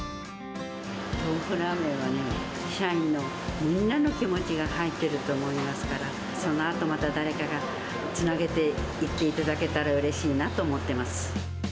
トーフラーメンはね、社員のみんなの気持ちが入ってると思いますから、そのあと、また誰かがつなげていっていただけたらうれしいなと思ってます。